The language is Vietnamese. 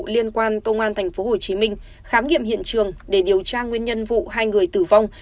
liên quan công an thành phố hồ chí minh khám nghiệm hiện trường để điều tra nguyên nhân vụ hai người tử vong